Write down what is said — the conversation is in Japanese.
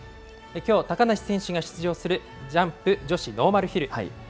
きょう、高梨選手が出場するジャンプ女子ノーマルヒル。